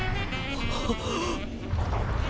あっ。